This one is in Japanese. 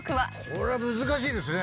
これは難しいですね。